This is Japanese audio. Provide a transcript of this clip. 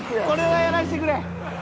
これはやらせてくれ。